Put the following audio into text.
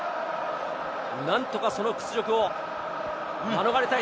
何とかその屈辱を免れたい。